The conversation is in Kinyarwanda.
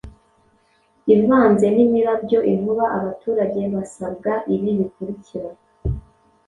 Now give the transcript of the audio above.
ivanze n’imirabyo inkuba, abaturage basabwa ibi bikurukira: